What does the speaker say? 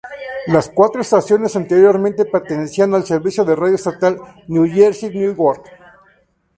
Las cuatro estaciones anteriormente pertenecían al servicio de radio estatal de New Jersey Network.